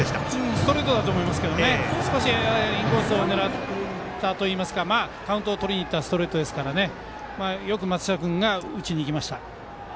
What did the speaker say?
ストレートだと思いますが少しインコースを狙いにいってカウントをとりにいったストレートですからよく松下君が打ちにいきました。